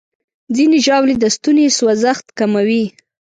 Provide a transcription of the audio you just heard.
ځینې ژاولې د ستوني سوځښت کموي.